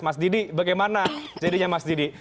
mas didi bagaimana jadinya mas didi